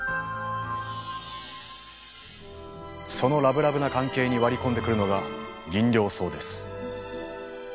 そのラブラブな関係に割り込んでくるのがギンリョウソウです。